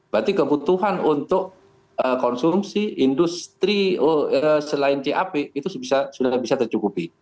berarti kebutuhan untuk konsumsi industri selain cap itu sudah bisa tercukupi